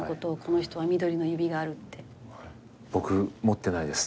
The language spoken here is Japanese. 僕持ってないです。